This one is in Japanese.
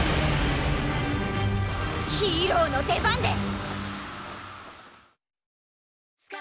ヒーローの出番です！